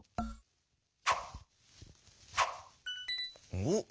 おっ！